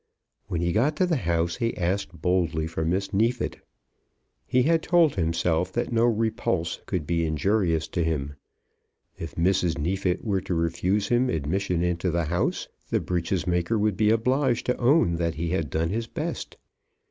When he got to the house he asked boldly for Miss Neefit. He had told himself that no repulse could be injurious to him. If Mrs. Neefit were to refuse him admission into the house, the breeches maker would be obliged to own that he had done his best.